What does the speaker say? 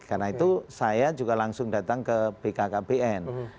karena itu saya juga langsung datang ke bkkbn